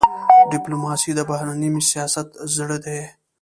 ډيپلوماسي د بهرني سیاست زړه دی.